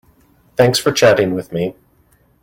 Thanks for chatting with me.